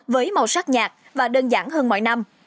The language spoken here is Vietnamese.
với màu sắc nhạt và đơn giản hơn mọi năm